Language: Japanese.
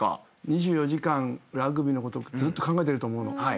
２４時間ラグビーのことずっと考えてると思うの。